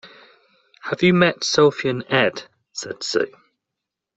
Have you met Sophia and Ed? said Sue.